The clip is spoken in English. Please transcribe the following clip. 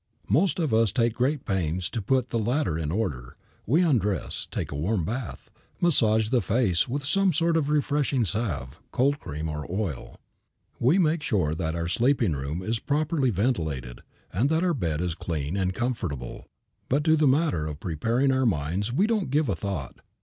Most of us take great pains to put the latter in order; we undress, take a warm bath, massage the face with some sort of refreshening salve, cold cream, or oil; we make sure that our sleeping room is properly ventilated and that our bed is clean and comfortable, but to the matter of preparing our minds we don't give a thought.